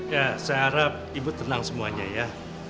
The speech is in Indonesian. ya saya harap ibu tenang semuanya ya